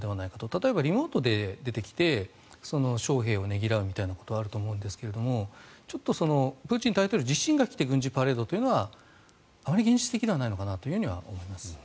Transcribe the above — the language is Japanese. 例えばリモートで出てきて将兵をねぎらうみたいなことはあると思うんですがちょっとプーチン大統領自身が来て軍事パレードというのはあまり現実的ではないのかなと思います。